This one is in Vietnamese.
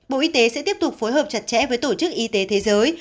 bộ y tế sẽ tiếp tục phối hợp chặt chẽ với tổ chức y tế thế giới